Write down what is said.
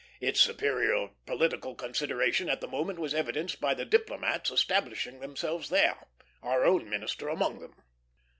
Its superior political consideration at the moment was evidenced by the diplomats establishing themselves there, our own minister among them.